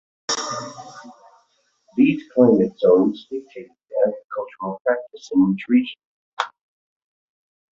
These climate zones dictated the agricultural practices in each region.